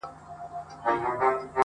نه رنگ لري او ذره خوند يې په خندا کي نسته